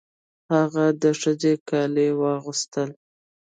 هغه د ښځې کالي یې واغوستل.